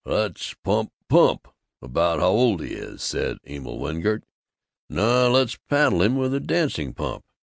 "Let's pump Pump about how old he is!" said Emil Wengert. "No, let's paddle him with a dancing pump!"